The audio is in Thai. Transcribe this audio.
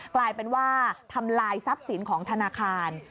กลายเป็นว่าทำลายทรัพย์สินของธนาคาร